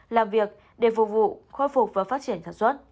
làm việc để phục vụ khôi phục và phát triển sản xuất